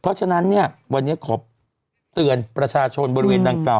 เพราะฉะนั้นเนี่ยวันนี้ขอเตือนประชาชนบริเวณดังกล่า